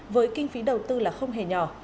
với kinh phí đầu tư là không hề nhỏ